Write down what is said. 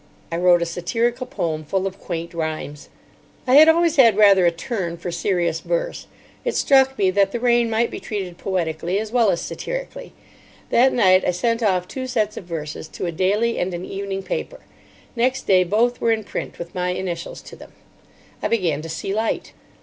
I wrote a satirical poem, full of quaint rhymes. I had always had rather a turn for serious verse. It struck me that the rain might be treated poetically as well as satirically. That night I sent off two sets of verses to a daily and an evening paper. Next day both were in print, with my initials to them. I began to see light.